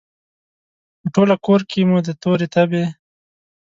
په ټوله کورکې کې مو د تورې تبې،